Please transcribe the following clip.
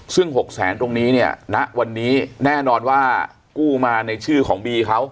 ซึ่ง๖แสนตรงนี้เนี่ยณวันนี้แน่นอนว่ากู้มาในชื่อของบีเขา